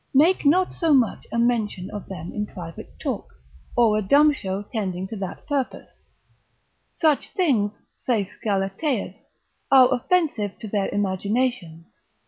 Make not so much as mention of them in private talk, or a dumb show tending to that purpose: such things (saith Galateus) are offensive to their imaginations.